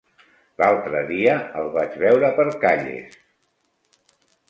L'altre dia el vaig veure per Calles.